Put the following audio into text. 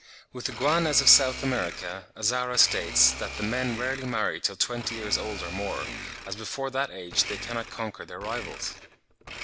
With the Guanas of South America, Azara states that the men rarely marry till twenty years old or more, as before that age they cannot conquer their rivals.